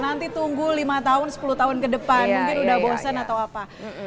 nanti tunggu lima tahun sepuluh tahun ke depan mungkin udah bosen atau apa